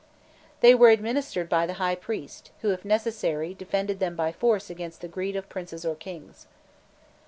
[] They were administered by the high priest, who, if necessary, defended them by force against the greed of princes or kings.